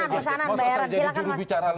yang soal tadi pesanan pesanan